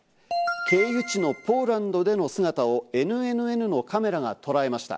経由地のポーランドでの姿をＮＮＮのカメラがとらえました。